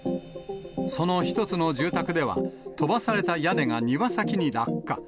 その１つの住宅では、飛ばされた屋根が庭先に落下。